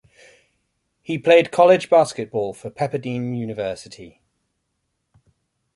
He played college basketball for Pepperdine University.